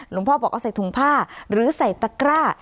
พ่อบอกเอาใส่ถุงผ้าหรือใส่ตะกร้า